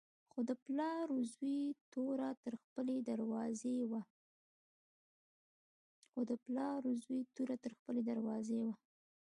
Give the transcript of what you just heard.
خو د پلار و زوی توره تر خپلې دروازې وه.